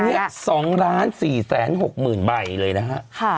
อันนี้๒๔๖๐๐๐ใบเลยนะฮะ